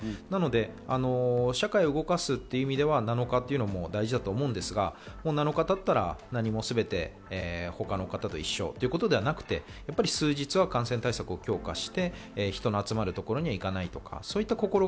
なので社会を動かすという意味では７日というのも大事だと思うんですが、７日経ったら全て他の方と一緒ということではなくて、数日は感染対策を強化して、人の集まるところに行かないとか。